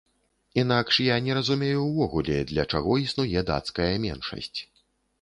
Інакш я не разумею ўвогуле, для чаго існуе дацкая меншасць.